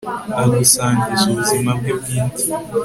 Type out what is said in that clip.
agusangiza ubuzima bwe bwite